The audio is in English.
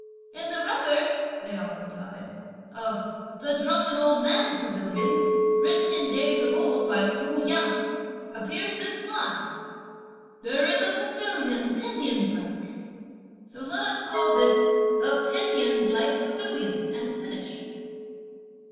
"In the record," they all replied, "of the 'Drunken Old Man's Pavilion,' written in days of old by Ou Yang, appears this line: 'There is a pavilion pinioned like,' so let us call this 'the pinioned like pavilion,' and finish."